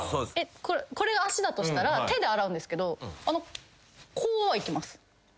これ足だとしたら手で洗うんですけどこうはいきます。